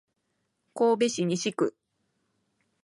神戸市西区